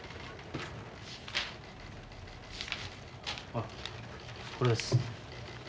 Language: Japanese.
あっこれです。